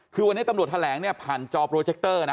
คือวันนี้ตำรวจแถลงเนี่ยผ่านจอโปรเจคเตอร์นะ